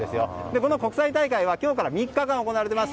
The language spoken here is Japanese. この国際大会は今日から３日間行われます。